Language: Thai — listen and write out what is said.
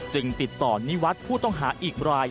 ติดต่อนิวัฒน์ผู้ต้องหาอีกราย